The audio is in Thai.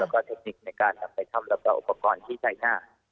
และก็เทคนิคในการนำไปดำนำลับตอนพี่ใส่หน้า